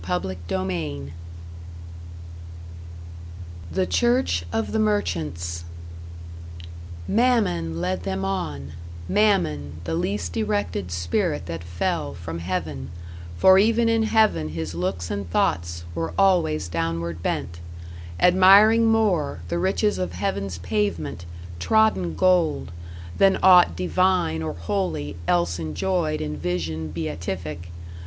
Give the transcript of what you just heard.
#BOOK FIVE# #The Church of the Merchants# Mammon led them on Mammon, the least erected spirit that fell From Heaven; for even in Heaven his looks and thoughts Were always downward bent, admiring more The riches of Heaven's pavement, trodden gold, Than aught divine or holy else enjoyed In vision beatific....